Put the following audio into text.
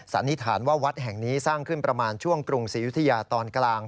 สันนิษฐานว่าวัดแห่งนี้สร้างขึ้นประมาณช่วงกรุงศรียุธยาตอนกลาง